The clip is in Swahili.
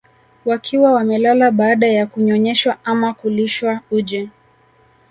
Wakiwa wamelala baada ya kunyonyeshwa ama kulishwa uji